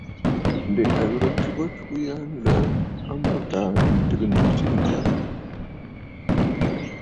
Ǹdè a ghɨ̀rə ntsugə atsugə ya nlə̀ə̀ a mbo Taà bìʼì tɨgə jɨ tsiʼì ŋ̀kə̀rə̀.